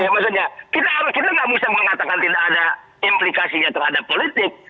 maksudnya kita nggak bisa mengatakan tidak ada implikasinya terhadap politik